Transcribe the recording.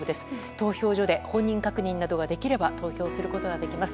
投票所で本人確認などができれば投票することができます。